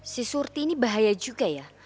si surti ini bahaya juga ya